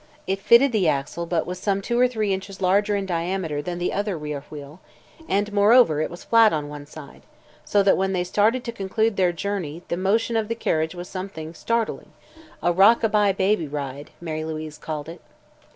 It fitted the axle but was some two or three inches larger in diameter than the other rear wheel and, moreover, it was flat on one side, so that when they started to conclude their journey the motion of the carriage was something startling a "rock a bye baby ride" Mary Louise called it.